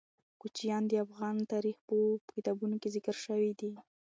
کوچیان د افغان تاریخ په کتابونو کې ذکر شوی دي.